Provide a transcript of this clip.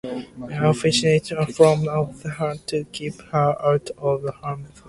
A fishing net is flung over her to keep her out of harm's way.